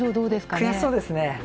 悔しそうですね。